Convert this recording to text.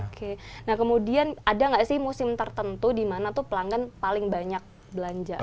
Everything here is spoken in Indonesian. oke nah kemudian ada nggak sih musim tertentu di mana tuh pelanggan paling banyak belanja